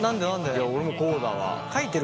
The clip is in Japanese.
いや俺もこうだわ。